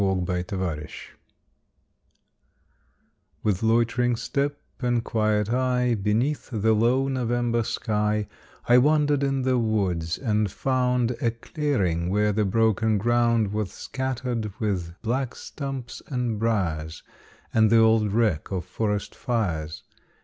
IN NOVEMBER With loitering step and quiet eye, Beneath the low November sky, I wandered in the woods, and found A clearing, where the broken ground Was scattered with black stumps and briers, And the old wreck of forest fires.